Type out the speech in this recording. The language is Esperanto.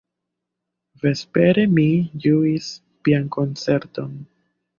Vespere mi ĝuis piankoncerton.